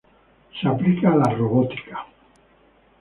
Se aplica a la robótica.